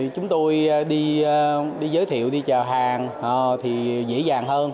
chúng tôi đi giới thiệu đi chợ hàng thì dễ dàng hơn